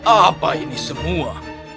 apa ini semua